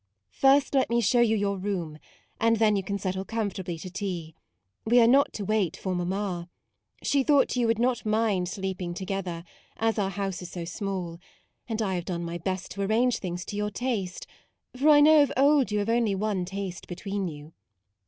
" First let me show you your room, and then you can settle comfortably to tea; we are not to wait for mam ma. She thought you would not mind sleeping together, as our house is so small; and I have done my best to arrange things to your taste, for I know of old you have only one MAUDE 43 taste between you.